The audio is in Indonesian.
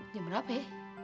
jam berapa ya